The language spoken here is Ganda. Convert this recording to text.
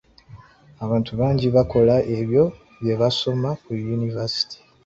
Abantu bangi bakola ebyo bye baasoma ku Yunivasite.